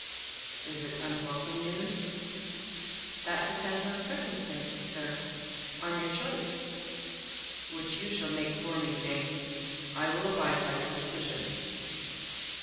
"Is it unwelcome news?" "That depends on circumstances, sir—on your choice." "Which you shall make for me, Jane. I will abide by your decision."